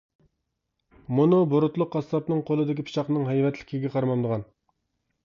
مۇنۇ بۇرۇتلۇق قاسساپنىڭ قولىدىكى پىچاقنىڭ ھەيۋەتلىكىگە قارىمامدىغان.